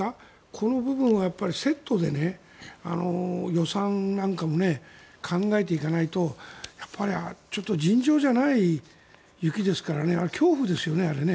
この部分はセットで予算なんかも考えていかないとちょっと尋常じゃない雪ですから恐怖ですよね、あれね。